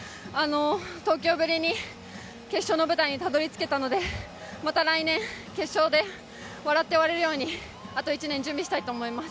東京ぶりに決勝の舞台にたどり着けたのでまた来年、決勝で笑って終われるようにあと１年準備したいと思います。